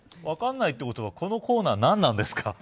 分からないってことはこのコーナーは何なんですか。